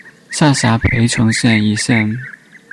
下辖涪城县一县。